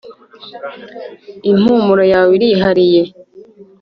impumuro yawe irihariye